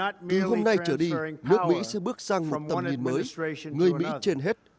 từ hôm nay trở đi nước mỹ sẽ bước sang một tầm nhìn mới người mỹ trên hết